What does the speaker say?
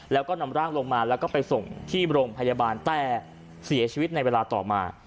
แล้วก็นำร่างลงมาแล้วก็ไปส่งที่โรงพยาบาลแต่เสียชีวิตในเวลาต่อมา